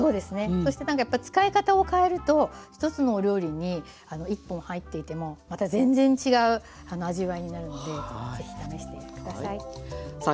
そしてなんかやっぱり使い方を変えると一つのお料理に１本入っていてもまた全然違う味わいになるので是非試して下さい。